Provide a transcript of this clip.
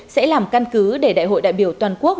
sẽ làm căn cứ để đại hội đại biểu toàn quốc